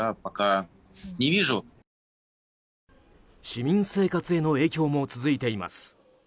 市民生活への影響も続いています。